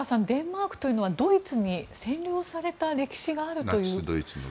デンマークというのはドイツに占領された歴史があるという。